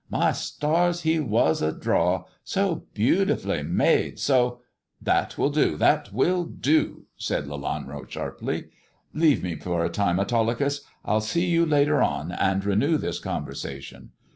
My stars, he was a draw — so beautifully made, so "" That will do ! that will do !" said Lelanro sharply. "Leave me for a time, Autolycus — I'll see you later on and renew this conversation.